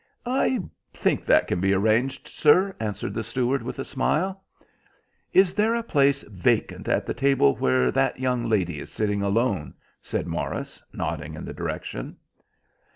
"I think that can be arranged, sir," answered the steward, with a smile. "Is there a place vacant at the table where that young lady is sitting alone?" said Morris, nodding in the direction.